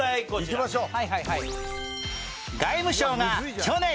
いきましょう。